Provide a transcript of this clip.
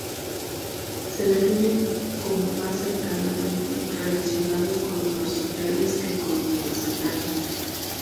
Se definen como más cercanamente relacionados con los marsupiales que con los placentarios.